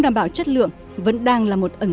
đảm bảo chất lượng vẫn đang là một ẩn